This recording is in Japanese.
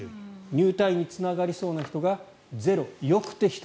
入隊につながりそうな人がゼロよくて１人。